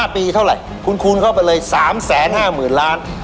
ปีเท่าไหร่คุณคูณเข้าไปเลย๓๕๐๐๐ล้าน